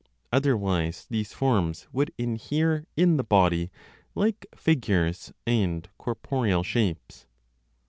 Otherwise, these forms would inhere in the body like figures and corporeal shapes.